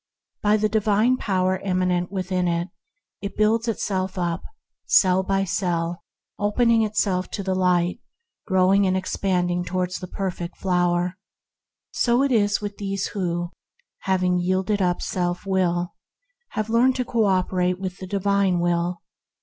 By the Divine Power immanent within it, it builds itself up, cell by cell y opening itself to the light, growing and expanding toward the perfect flower. So is it with those who, having yielded up self will, have learned to co operate with the Divine Will.